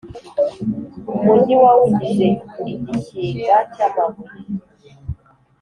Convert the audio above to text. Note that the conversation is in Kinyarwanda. Umugi wawugize igishyinga cy’amabuye,